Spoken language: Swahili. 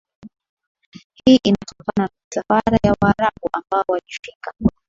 hii ilitokana na misafara ya waarabu ambao walifika